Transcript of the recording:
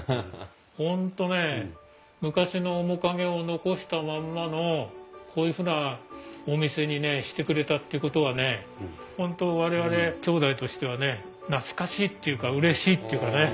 本当ね昔の面影を残したまんまのこういうふうなお店にしてくれたっていうことはね本当我々兄弟としてはね懐かしいっていうかうれしいっていうかね。